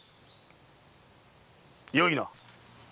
よいな？